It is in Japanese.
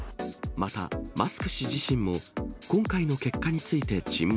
また、マスク氏自身も、今回の結果について沈黙。